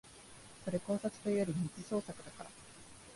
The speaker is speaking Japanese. それ考察というより二次創作だから